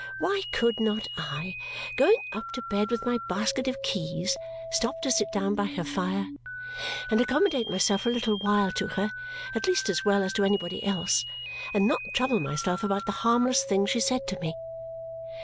Why could not I, going up to bed with my basket of keys, stop to sit down by her fire and accommodate myself for a little while to her, at least as well as to anybody else, and not trouble myself about the harmless things she said to me?